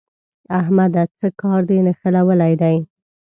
احمده! څه کار دې نښلولی دی؟